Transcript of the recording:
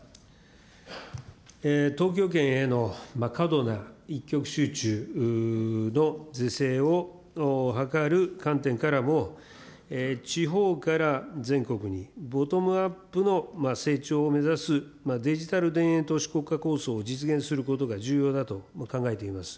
東京圏への過度な一極集中の是正を図る観点からも、地方から全国に、ボトムアップの成長を目指す、デジタル田園都市国家構想を実現することが重要だと考えています。